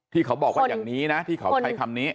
เขาบอกว่าอย่างนี้นะที่เขาใช้คำนี้